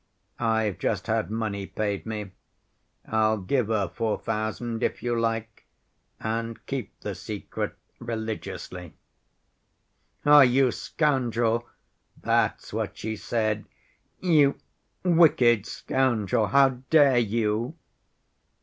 I've just had money paid me. I'll give her four thousand, if you like, and keep the secret religiously.' " 'Ah, you scoundrel!'—that's what she said. 'You wicked scoundrel! How dare you!